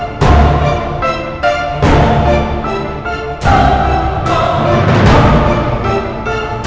itu mencurigai elsa